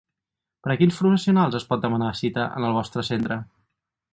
Per a quins professionals es pot demanar cita en el vostre centre?